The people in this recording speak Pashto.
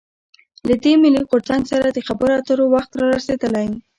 له دې «ملي غورځنګ» سره د خبرواترو وخت رارسېدلی.